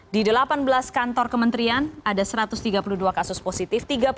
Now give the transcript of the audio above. di delapan belas kantor kementerian ada satu ratus tiga puluh dua kasus positif